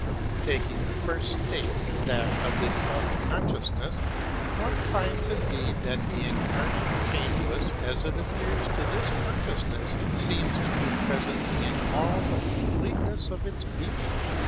Taking the first state, that of the Devout Consciousness, one finds indeed that the incarnate Changeless, as it appears to this consciousness, seems to be present in all the completeness of its being.